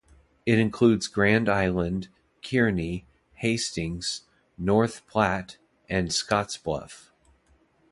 It includes Grand Island, Kearney, Hastings, North Platte, and Scottsbluff.